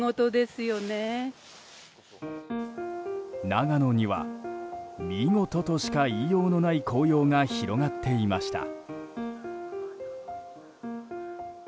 長野には見事としか言いようのない紅葉が広がっていました。